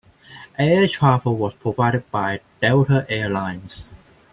Air travel was provided by Delta Air Lines.